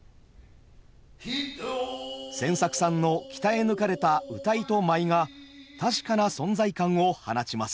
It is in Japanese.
千作さんの鍛え抜かれた謡と舞が確かな存在感を放ちます。